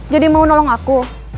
jadi mau nolong aku